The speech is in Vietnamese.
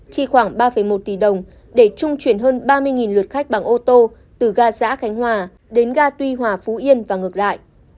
chỉ khoảng ba một tỷ đồng để trung chuyển hơn ba mươi lượt khách bằng ô tô từ gà giã khánh hòa đến gà tuy hòa phú yên và ngược lại